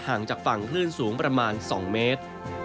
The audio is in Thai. จากฝั่งคลื่นสูงประมาณ๒เมตร